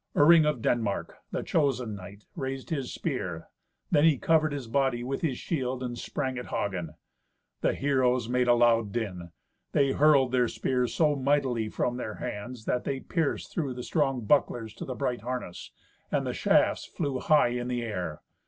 Iring of Denmark, the chosen knight, raised his spear; then he covered his body with his shield, and sprang at Hagen. The heroes made a loud din. They hurled their spears so mightily from their hands, that they pierced through the strong bucklers to the bright harness, and the shafts flew high in the air.